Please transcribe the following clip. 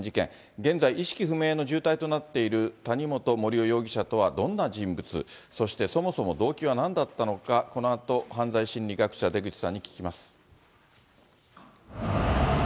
現在、意識不明の重体となっている谷本盛雄容疑者とはどんな人物、そして、そもそも動機はなんだったのか、このあと、犯罪心理学者、出口さんに聞きます。